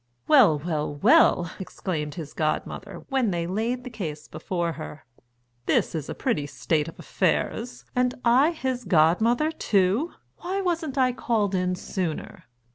"Well, well, well!" exclaimed his godmother when they laid the case before her, "this is a pretty state of affairs! And I his godmother, too! Why wasn't I called in sooner?"